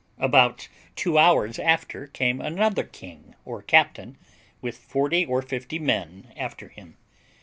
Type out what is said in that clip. About two hours after came another king, or captain, with forty or fifty men after him.